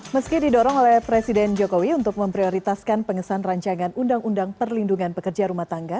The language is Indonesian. meski didorong oleh presiden jokowi untuk memprioritaskan pengesahan rancangan undang undang perlindungan pekerja rumah tangga